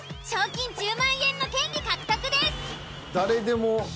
賞金１０万円の権利獲得です。